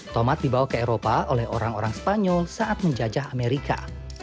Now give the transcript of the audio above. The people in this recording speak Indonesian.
tomat dibawa ke eropa oleh orang orang spanyol saat menjajah amerika